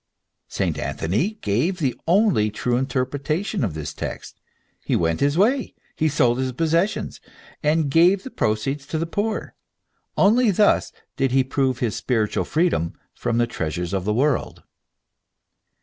St. Anthony gave the only true interpretation of this text. He went his way, and sold his possessions, and gave the proceeds to the poor. Only thus did he prove his spiritual freedom from the treasures of this world.